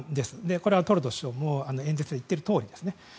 これはトルドー首相も演説で言っているとおりですね。